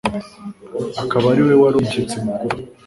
akaba ari we wari umushyitsi mukuru